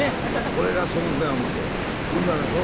これがその子や思て。